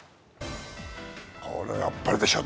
これ、あっぱれでしょう。